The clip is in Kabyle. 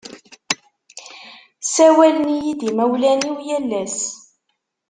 Sawalen-iyi-d imawlan-iw yal ass.